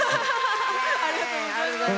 ありがとうございます。